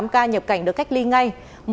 một trăm bốn mươi tám ca nhập cảnh được cách ly ngay